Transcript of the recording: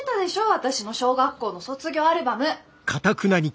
私の小学校の卒業アルバム。